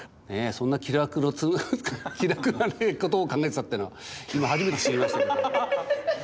そんな気楽なことを考えてたってのは今初めて知りましたけど。